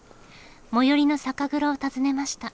最寄りの酒蔵を訪ねました。